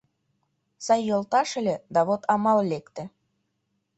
Сай йолташ ыле, да вот амал лекте.